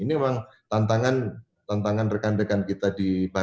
ini memang tantangan rekan rekan kita di papua